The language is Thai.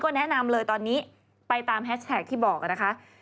แนะนำเลยตอนนี้ไปตามแฮชแท็กที่บอกนะคะ